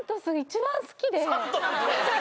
一番好き